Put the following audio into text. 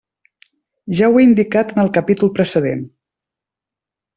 Ja ho he indicat en el capítol precedent.